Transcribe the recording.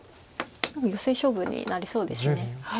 ヨセ勝負になりそうです。